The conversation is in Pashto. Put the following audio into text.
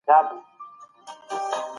شخصي ملکيت د بشر فطري غریزه ده.